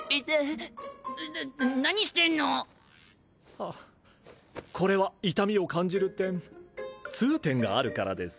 ハァこれは痛みを感じる点痛点があるからです。